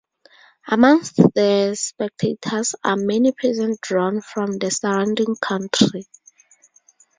Amongst the spectators are many peasants drawn from the surrounding country.